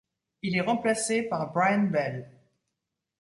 Il est remplacé par Brian Bell.